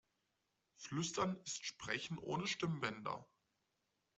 Flüstern ist Sprechen ohne Stimmbänder.